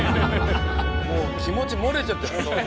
もう気持ち漏れちゃってる。